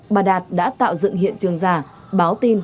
bà đạt đã tạo dựng hiện trường giả báo tin